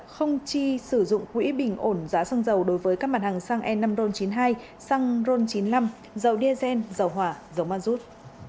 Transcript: không chi sử dụng quỹ bình ổn giá xăng dầu đối với các mặt hàng xăng e năm ron chín mươi hai xăng ron chín mươi năm dầu diazhen dầu hòa dầu mazut